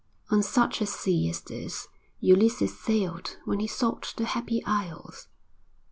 On such a sea as this Ulysses sailed when he sought the Happy Isles.